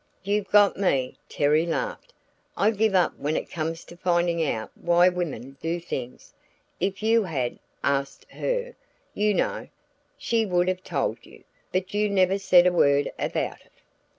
"You've got me," Terry laughed. "I give up when it comes to finding out why women do things. If you had asked her, you know, she would have told you; but you never said a word about it."